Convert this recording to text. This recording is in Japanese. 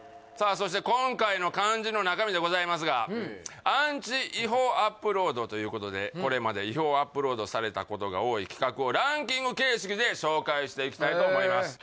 そして今回の肝心の中身でございますがということでこれまで違法アップロードされたことが多い企画をランキング形式で紹介していきたいと思います